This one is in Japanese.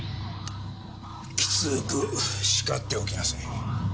きつくしかっておきなさい。